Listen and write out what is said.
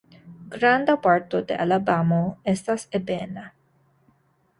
Granda parto de Alabamo estas ebena.